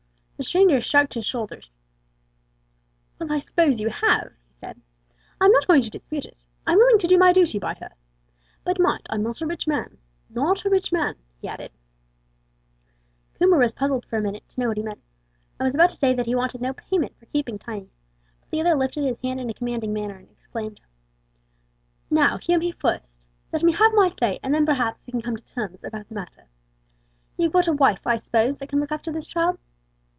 The stranger shrugged his shoulders. "Well, I s'pose you have," he said; "I'm not going to dispute it. I'm willing to do my duty by her. But mind, I'm not a rich man not a rich man," he added. Coomber was puzzled for a minute to know what he meant, and was about to say that he wanted no payment for keeping Tiny; but the other lifted his hand in a commanding manner, and exclaimed: "Now, hear me first. Let me have my say, and then, perhaps, we can come to terms about the matter. You've got a wife, I s'pose, that can look after this child.